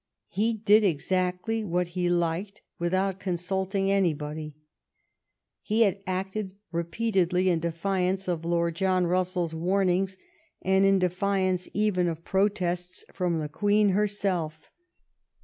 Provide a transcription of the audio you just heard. He did exactly what he liked, without consulting anybody. He had acted repeatedly in defiance of Lord John Russell's warn ings and in defiance even of protests from the Queen herself.